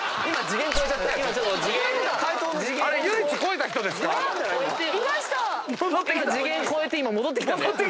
次元超えて今戻ってきたんで。